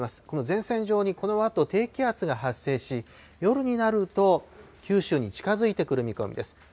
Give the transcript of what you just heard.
この前線上にこのあと低気圧が発生し、夜になると九州に近づいてくる見込みです。